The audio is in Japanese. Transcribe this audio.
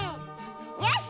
よし！